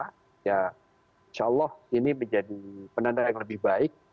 insya allah ini menjadi penanda yang lebih baik